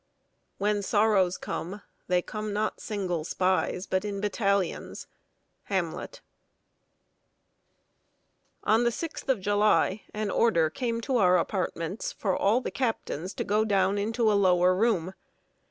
When sorrows come, they come not single spies, But in battalions. HAMLET. [Sidenote: THE CAPTAINS ORDERED BELOW.] On the 6th of July, an order came to our apartments for all the captains to go down into a lower room.